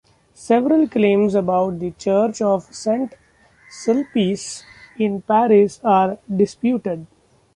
Several claims about the Church of Saint-Sulpice in Paris are disputed.